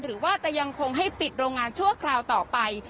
หรือว่าจะยังคงให้ปิดโรงงานชั่วคราวต่อไป